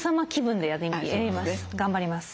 頑張ります。